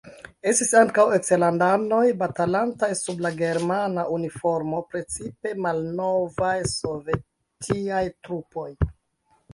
Estis ankaŭ eksterlandanoj batalantaj sub la germana uniformo, precipe malnovaj sovetiaj trupoj.